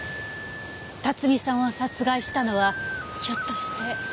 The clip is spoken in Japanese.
辰巳さんを殺害したのはひょっとして。